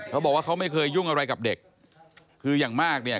เขาบอกว่าเขาไม่เคยยุ่งอะไรกับเด็กคืออย่างมากเนี่ย